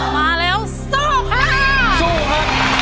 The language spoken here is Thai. มาแล้วสู้ค่ะสู้ครับ